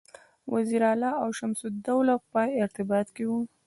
وزیر علي او شمس الدوله په ارتباط کې وه.